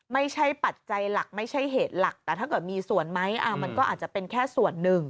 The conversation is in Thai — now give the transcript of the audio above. ปัจจัยหลักไม่ใช่เหตุหลักแต่ถ้าเกิดมีส่วนไหมมันก็อาจจะเป็นแค่ส่วนหนึ่ง